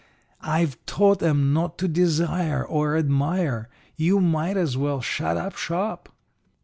I've taught 'em not to desire or admire. You might as well shut up shop.'